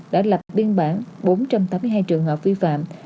đã lập biên bản bốn trăm tám mươi hai trường hợp vi phạm